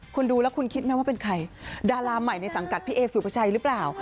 คุณดูแล้วคุณคิดไหมว่าเป็นใครดาราใหม่ในสังกัดพี่เอสุภาชัยหรือเปล่า